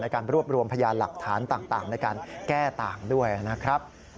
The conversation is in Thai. การรวบรวมพยานหลักฐานต่างในการแก้ต่างด้วยนะครับ